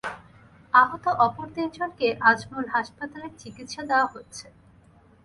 আহত অপর তিনজনকে আজমল হাসপাতালে চিকিৎসা দেওয়া হচ্ছে।